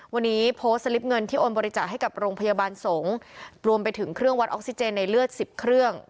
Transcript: วันนี้โพสต์สลิปเงินที่โอนบริจาคให้กับโรงพยาบาลสงฆ์รวมไปถึงเครื่องวัดออกซิเจนในเลือดสิบเครื่อง